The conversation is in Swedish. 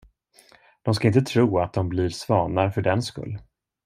De ska inte tro, att de blir svanar fördenskull.